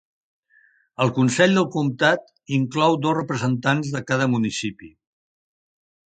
El Consell del Comtat inclou dos representants de cada municipi.